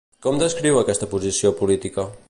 Com descriu aquesta posició política?